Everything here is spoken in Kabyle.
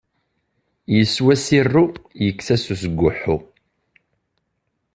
Yeswa Sirru yekkes-as usguḥḥu.